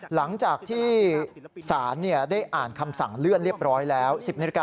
หลังจากที่ศาลได้อ่านคำสั่งเลื่อนเรียบร้อยแล้ว